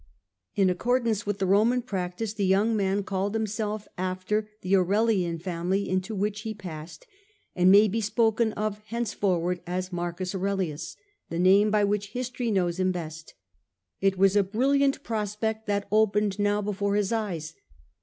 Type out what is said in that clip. In accordance with the Roman practice, the young man called himself after the Aurelian family into which he passed, and may be spoken of henceforward as Marcus Aurelius, the name by which history knows him best. It was a brilliant prospect that opened now before his eyes.